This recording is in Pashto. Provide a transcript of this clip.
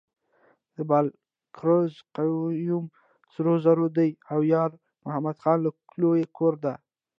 د بالاکرز قیوم سرزوره دی او یارمحمد خان له لوی کوره دی.